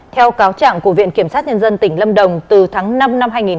theo cáo trảng của viện kiểm sát nhân dân tỉnh lâm đồng từ tháng năm năm hai nghìn hai mươi một